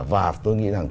và tôi nghĩ rằng